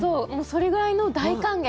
それぐらいの大歓迎